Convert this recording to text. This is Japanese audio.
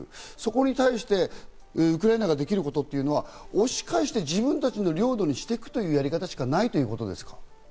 そこに対してウクライナができることというのは、押し返して自分たちの領土にしていくというやり方しかないということですか？